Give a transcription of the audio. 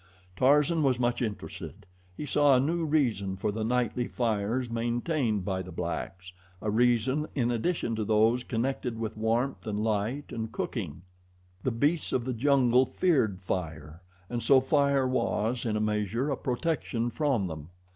Tarzan was much interested. He saw a new reason for the nightly fires maintained by the blacks a reason in addition to those connected with warmth and light and cooking. The beasts of the jungle feared fire, and so fire was, in a measure, a protection from them.